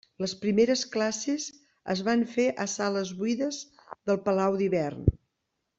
Les primeres classes es van fer a sales buides del Palau d'Hivern.